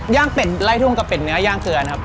ย่างเป็นไล่ทุ่งกับเป็นเนื้อย่างคืออะไรครับ